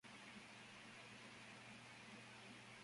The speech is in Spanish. La montaña toma su nombre de la isla de Tenerife en España.